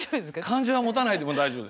感情はもたないでも大丈夫です。